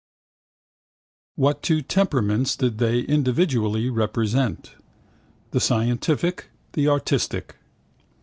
What two temperaments did they individually represent? The scientific. The artistic.